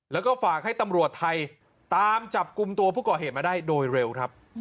แล้วก็ฝากให้ตำรวจไทยตามจับกลุ่มตัวผู้ก่อเหตุมาได้โดยเร็วครับ